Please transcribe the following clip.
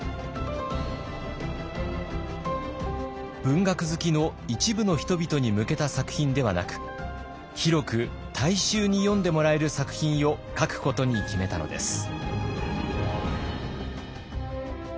文学好きの一部の人々に向けた作品ではなく広く大衆に読んでもらえる作品を書くことに決めたのです。